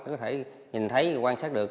có thể nhìn thấy quan sát được